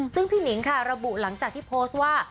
ซึ่งพี่หนิงค่ะระบุหลังจากที่โพสต์ว่า